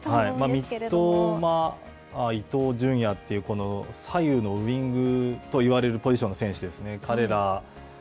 三笘、伊東純也という、左右のウイングと言われるポジションの選手たちですね。